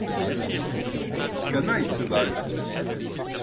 Canaille, ce bal.